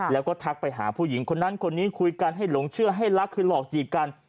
แล้วก็ทักไปหาผู้หญิงคนนั้นคนนี้คุยกันให้หลงเชื่อให้รักคือหลอกจีบกัน